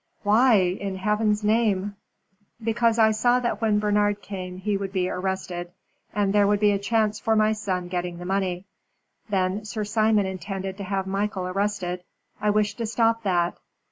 "Why, in Heaven's name?" "Because I saw that when Bernard came he would be arrested, and there would be a chance for my son getting the money. Then Sir Simon intended to have Michael arrested I wished to stop that.